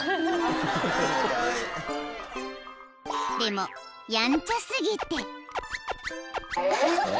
［でもやんちゃ過ぎて］